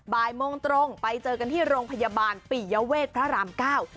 บ่ายโมงตรงไปเจอกันที่โรงพยาบาลปิยเวทพระรามเก้า